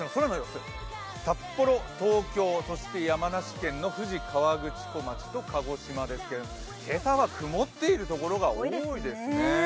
札幌、東京、そして山梨県の富士河口湖町と鹿児島です、今朝は曇っているところが多いですね。